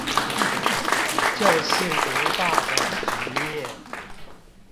就是獨霸的局面